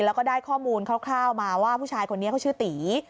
แล้วก็ได้ข้อมูลคร่าวมาว่าผู้ชายคนนี้เขาชื่อตี